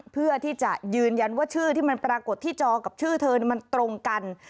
เพื่อที่จะยืนยันว่าชื่อที่มันปรากฏที่จอกับชื่อเธอมันตรงกัน